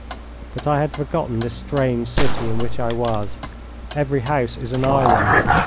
But I had forgotten this strange city in which I was. Every house is an island.